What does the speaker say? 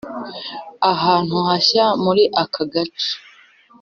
Ahantu hashya muri ako gace